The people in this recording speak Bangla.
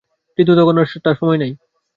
কিন্তু তখন আর সময় নাই।